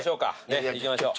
行きましょう。